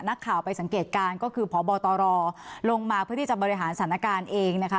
นักข่าวไปสังเกตการณ์ก็คือพบตรลงมาเพื่อที่จะบริหารสถานการณ์เองนะคะ